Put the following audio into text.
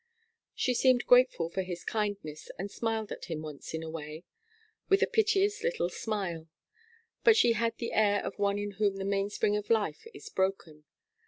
She seemed grateful for his kindness, and smiled at him once in a way, with a piteous little smile; but she had the air of one in whom the mainspring of life is broken.